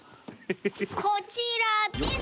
こちらです！